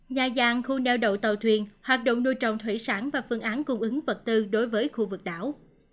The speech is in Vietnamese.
nhà gian khu neo đậu tàu thuyền hoạt động nuôi trồng thủy sản và phương án cung ứng vật tư đối với khu vực đảo